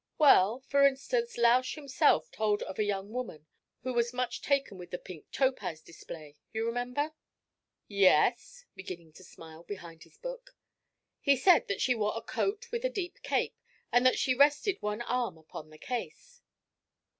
'Well, for instance, Lausch himself told of a young woman who was much taken with the pink topaz display you remember?' 'Yes;' beginning to smile behind his book. 'He said that she wore a coat with a deep cape, and that she rested one arm upon the case.'